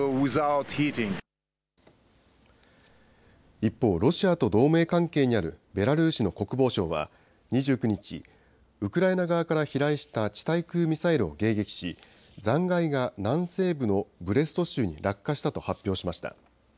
一方、ロシアと同盟関係にあるベラルーシの国防省は２９日、ウクライナ側から飛来した地対空ミサイルを迎撃し、残骸が南西部のブレスト州に落下したと発表しました。